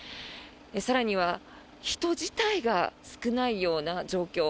更には人自体が少ないような状況。